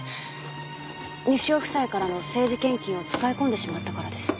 「西尾夫妻からの政治献金を使い込んでしまったからです」